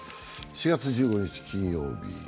４月１５日金曜日。